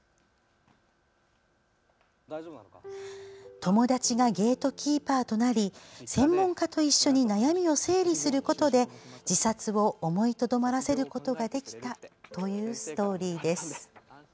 友達がゲートキーパーとなり専門家と一緒に悩みを整理することで自殺を思いとどまらせることができたというストーリーです。